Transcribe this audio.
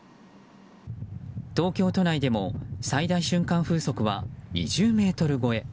東京都内でも最大瞬間風速は２０メートル超え。